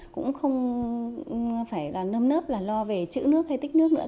cũng không phải là nâm nớp lo về chữ nước hay tích nước nữa